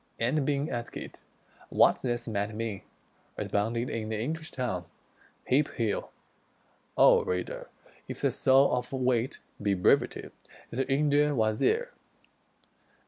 _" and being asked what this Might mean, responded in the English tongue: "Heap hell!" O reader! if the soul of wit Be brevity, this Indian was there.